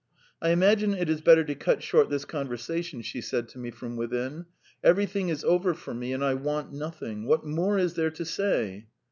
"I imagine it is better to cut short this conversation," she said to me from within. "Everything is over for me, and I want nothing .... What more is there to say?"